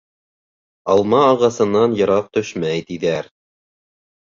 Алма ағасынан йыраҡ төшмәй, тиҙәр.